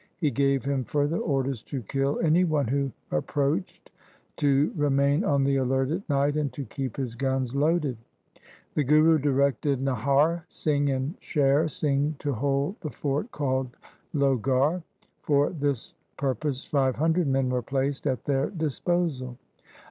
He gave him further orders to kill any one who approached, to remain on the alert at night, and to keep his guns loaded. The Guru directed Nahar Singh and Sher Singh to hold the fort called Lohgarh. For this purpose five hundred men were placed at their dis posal.